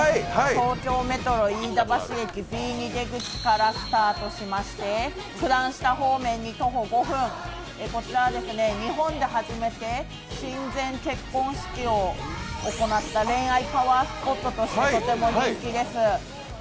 東京メトロ飯田橋駅Ｂ２出口からスタートしまして九段下方面に徒歩５分、こちらは日本で初めて神前結婚式を行った恋愛パワースポットとしてとても人気です。